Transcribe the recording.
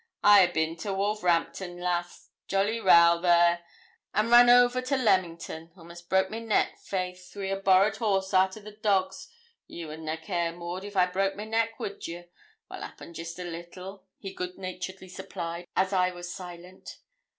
I a'bin to Wolverhampton, lass jolly row there and run over to Leamington; a'most broke my neck, faith, wi' a borrowed horse arter the dogs; ye would na care, Maud, if I broke my neck, would ye? Well, 'appen, jest a little,' he good naturedly supplied, as I was silent.